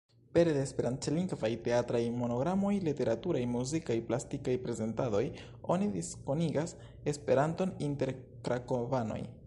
Pere de esperantlingvaj teatraj monodramoj, literaturaj, muzikaj, plastikaj prezentadoj, oni diskonigas Esperanton inter krakovanoj.